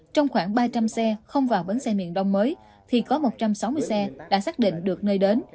trong khoảng ba trăm linh xe không vào bến xe miền đông mới thì có một trăm sáu mươi xe đã xác định được nơi đến